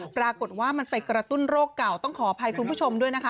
ปรากฏว่ามันไปกระตุ้นโรคเก่าต้องขออภัยคุณผู้ชมด้วยนะคะ